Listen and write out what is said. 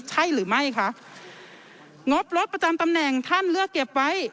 ใช่หรือไม่คะงบรถประจำตำแหน่งท่านเลือกเก็บไว้